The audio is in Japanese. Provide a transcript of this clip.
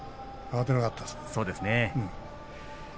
慌てなかったです。